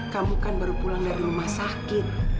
kamu kan baru pulang dari rumah sakit